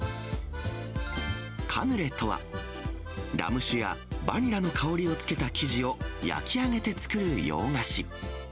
カヌレとは、ラム酒やバニラの香りをつけた生地を焼き上げて作る洋菓子。